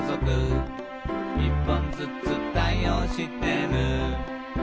「１本ずつ対応してる」